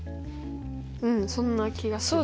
うんそんな気がする。